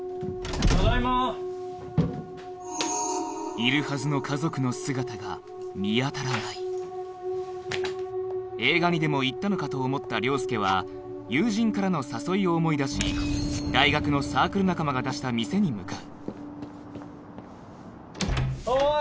いるはずの映画にでも行ったのかと思った凌介は友人からの誘いを思い出し大学のサークル仲間が出した店に向かうおい！